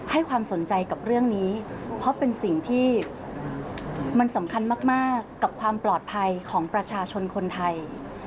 ให้ความสนใจกับเรื่องนี้เพราะเป็นสิ่งที่มันสำคัญมากกับความปลอดภัยของประชาชนคนไทย